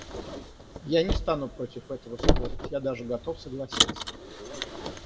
Я не стану против этого спорить, я даже готов согласиться.